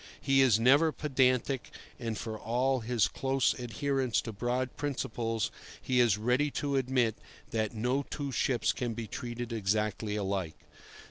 He is never pedantic, and, for all his close adherence to broad principles, he is ready to admit that no two ships can be treated exactly alike.